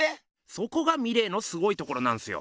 そこがミレーのすごいところなんすよ。